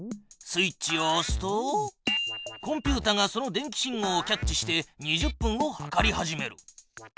スイッチをおすとコンピュータがその電気信号をキャッチして２０分を計り始める。